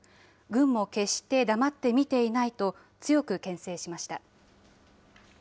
軍も決して黙って見ていないと強くけん制しました。